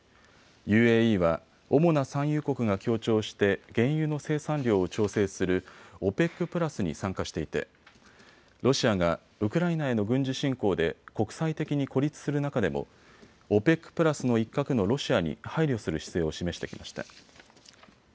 ＵＡＥは主な産油国が協調して原油の生産量を調整するＯＰＥＣプラスに参加していてロシアがウクライナへの軍事侵攻で国際的に孤立する中でもＯＰＥＣプラスの一角のロシアに配慮する姿勢を示してきました。